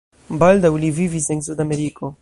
Baldaŭ li vivis en Sud-Ameriko.